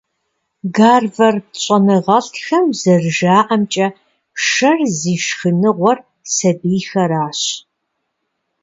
Гарвард щӀэныгъэлӀхэм зэрыжаӀэмкӀэ, шэр зи шхыныгъуэр сабийхэращ.